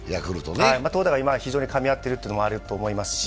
投打が今、非常にかみ合っているというのもありますし。